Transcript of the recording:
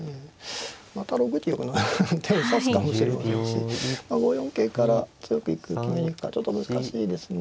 また６一玉のような手を指すかもしれないし５四桂から強く決めに行くかちょっと難しいですね。